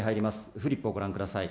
フリップをご覧ください。